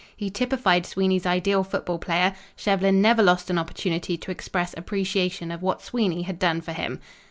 He typified Sweeney's ideal football player. Shevlin never lost an opportunity to express appreciation of what Sweeney had done for him.